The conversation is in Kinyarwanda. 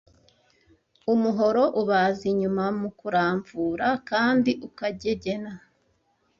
Umuhoro ubaza inyuma mu kuramvura kandi ukagegena